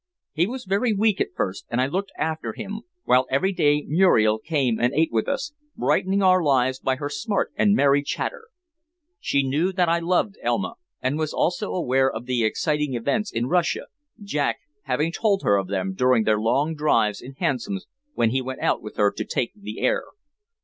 He was very weak at first, and I looked after him, while every day Muriel came and ate with us, brightening our lives by her smart and merry chatter. She knew that I loved Elma and was also aware of the exciting events in Russia, Jack having told her of them during their long drives in hansoms when he went out with her to take the air.